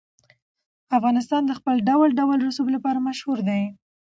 افغانستان د خپل ډول ډول رسوب لپاره مشهور دی.